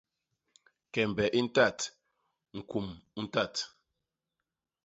Kembe i ntat, ñkum u ntat.